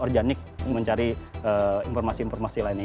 organik mencari informasi informasi lainnya